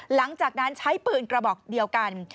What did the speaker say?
หลังจากนั้นใช้ปืนกระบอกเดียวกัน